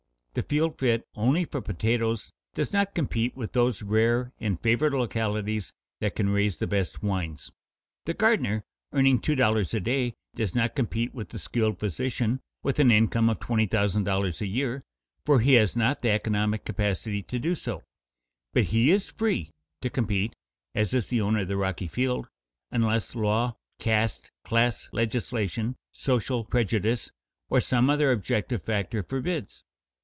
The field fit only for potatoes does not compete with those rare and favored localities that can raise the best wines. The gardener earning two dollars a day does not compete with the skilled physician with an income of twenty thousand dollars a year, for he has not the economic capacity to do so; but he is free to compete (as is the owner of the rocky field) unless law, caste, class legislation, social prejudice, or some other objective factor forbids.